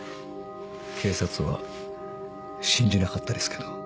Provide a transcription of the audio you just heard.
警察は信じなかったですけど。